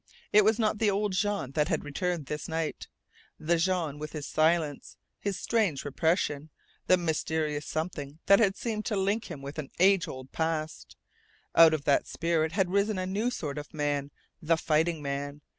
It was not the old Jean that had returned this night, the Jean with his silence, his strange repression, the mysterious something that had seemed to link him with an age old past. Out of that spirit had risen a new sort of man the fighting man.